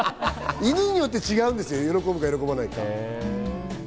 犬によって違うんですよ、喜ぶか喜ばないか。